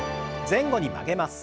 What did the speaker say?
前後に曲げます。